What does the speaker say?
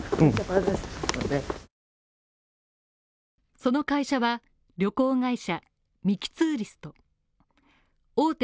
その会社は旅行会社、ミキ・ツーリスト大手